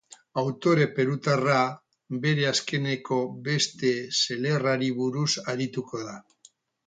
Autore perutarra bere azkeneko beste selerrari buruz arituko da.